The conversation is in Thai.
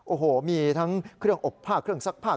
โอ้โหมีทั้งเครื่องอบผ้าเครื่องซักผ้า